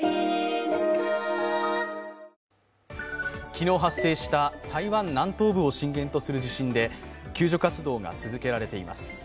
昨日発生した台湾南東部を震源とする地震で救助活動が続けられています。